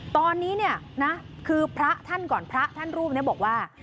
ตอนนี้เนี่ยนะคือพระท่านก่อนพระท่านรูปนี้บอกว่า